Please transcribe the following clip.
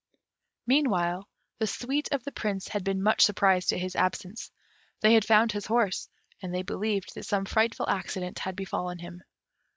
Meanwhile, the suite of the Prince had been much surprised at his absence. They had found his horse, and they believed that some frightful accident had befallen him.